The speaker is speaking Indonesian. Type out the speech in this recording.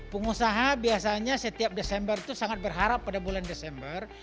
pengusaha biasanya setiap desember itu sangat berharap pada bulan desember